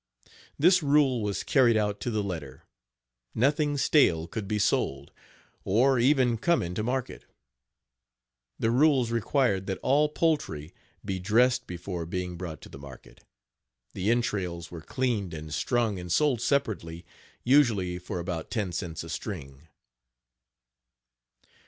This rule was carried out to the letter. Nothing stale could be sold, or even come into market. The rules required that all poultry be dressed before being brought to market. The entrails were cleaned and strung and sold separately usually for about ten cents a string.